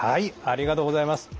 ありがとうございます。